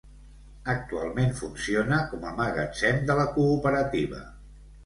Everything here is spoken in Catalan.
Actualment funciona com a magatzem de la Cooperativa.